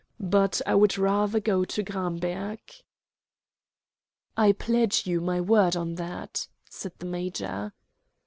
But I would rather go to Gramberg." "I pledge you my word on that," said the major.